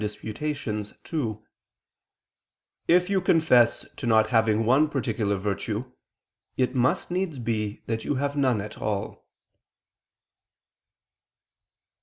ii): "If you confess to not having one particular virtue, it must needs be that you have none at all."